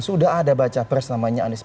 sudah ada baca press namanya anisya